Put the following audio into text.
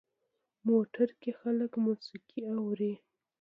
موټر کې خلک موسیقي اوري.